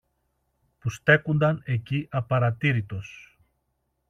που στέκουνταν εκεί απαρατήρητος.